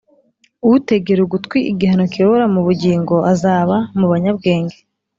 utegera ugutwi igihano kiyobora mu bugingo, azaba mu banyabwenge